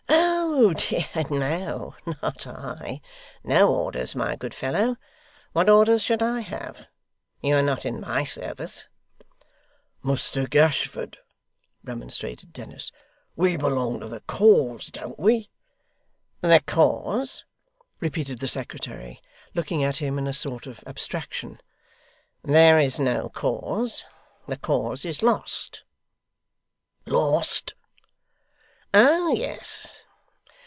'Oh dear, no. Not I. No orders, my good fellow. What orders should I have? You are not in my service.' 'Muster Gashford,' remonstrated Dennis, 'we belong to the cause, don't we?' 'The cause!' repeated the secretary, looking at him in a sort of abstraction. 'There is no cause. The cause is lost.' 'Lost!' 'Oh yes.